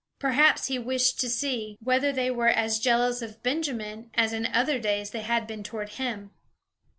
Perhaps he wished to see whether they were as jealous of Benjamin as in other days they had been toward him.